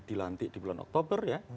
dilantik di bulan oktober ya